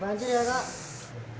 banjir ya kak